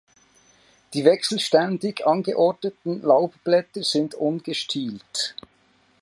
Die wechselständig angeordneten Laubblätter sind ungestielt.